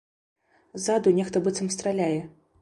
Ззаду нехта быццам страляе.